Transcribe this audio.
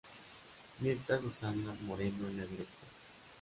Mirta Susana Moreno en la Dirección.